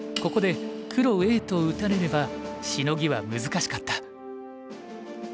ここで黒Ａと打たれればシノギは難しかった。